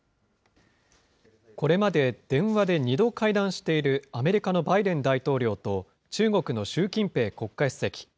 これまで、電話で２度会談しているアメリカのバイデン大統領と中国の習近平国家主席。